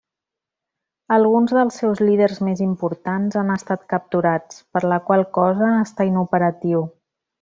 Alguns dels seus líders més importants han estat capturats per la qual cosa està inoperatiu.